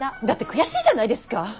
だって悔しいじゃないですか！